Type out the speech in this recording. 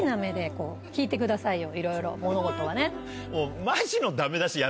聴いてくださいよいろいろ物事はね。